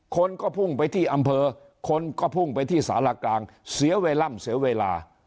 คนก็พุ่งไปที่อำเภอคนก็พุ่งไปที่สารกลางเสียเวลาเสียเวลา